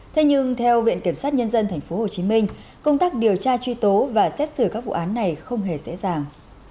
thế nhưng theo viện kiểm sát nhân dân tp hcm công tác điều tra truy tố và xét xử các vụ án này không hề dễ dàng